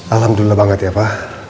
alhamdulillah banget ya pak